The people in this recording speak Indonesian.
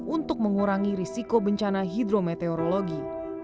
untuk mengurangi risiko bencana hidrometeorologi